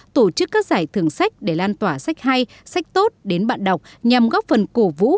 tổ chức các giải thưởng sách để lan tỏa sách hay sách tốt đến bạn đọc nhằm góp phần cổ vũ